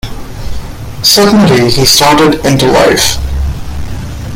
Suddenly he started into life.